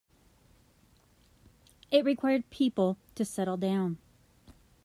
It required people to settle down.